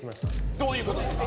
・どういうことですか？